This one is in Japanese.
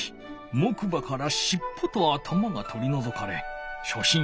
木馬からしっぽと頭がとりのぞかれしょしん